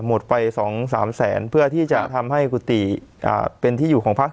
หมดไป๒๓แสนเพื่อที่จะทำให้กุฏิเป็นที่อยู่ของพัก